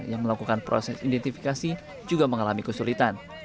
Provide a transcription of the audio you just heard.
yang melakukan proses identifikasi juga mengalami kesulitan